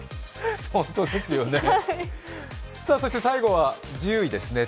そして最後は１０位ですね